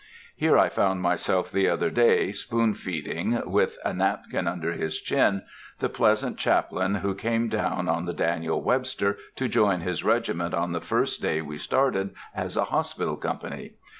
Here I found myself the other day, spoon feeding, with a napkin under his chin, the pleasant chaplain who came down on the Daniel Webster to join his regiment on the first day we started as a hospital company.